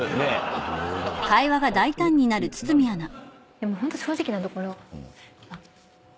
でもホント正直なところ。